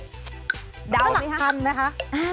ดาวไหมคะ